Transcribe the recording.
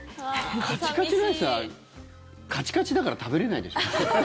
カチカチのアイスはカチカチだから食べれないでしょ。